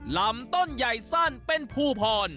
ลำต้นใหญ่สั้นเป็นภูพร